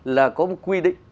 là có một quy định